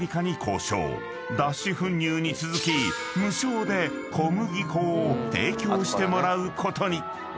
［脱脂粉乳に続き無償で小麦粉を提供してもらうことに］